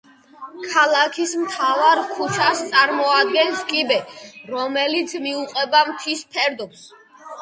ქალაქის მთავარ ქუჩას წარმოადგენს კიბე, რომელიც მიუყვება მთის ფერდობს.